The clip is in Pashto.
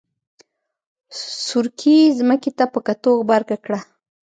سورکي ځمکې ته په کتو غبرګه کړه.